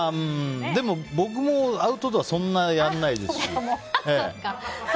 でも、僕もアウトドアそんなにやらないですし。